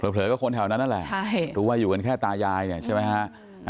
เผลอก็คนแถวนั้นนั่นแหละรู้ว่าอยู่กันแค่ตายายเนี่ยใช่ไหมฮะ